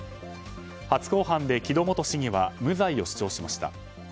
初公判で木戸元市議は無罪を主張しました。